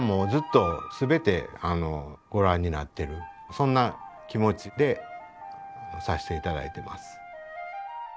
そんな気持ちでさせていただいてます。